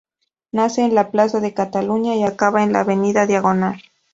Nace en la plaza de Cataluña y acaba en la avenida Diagonal.